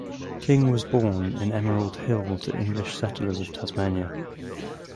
King was born in Emerald Hill to English settlers of Tasmania.